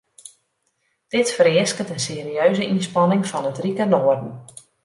Dit fereasket in serieuze ynspanning fan it rike noarden.